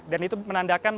dan itu menandatangani